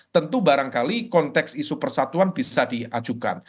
tentu barangkali konteks isu persatuan bisa diajukan